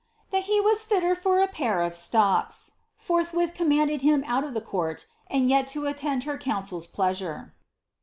397 '^that he was fitter for a pair of stocks^ — ^forthwith commanded him out of the court, and yet to attend her council's pleasure.'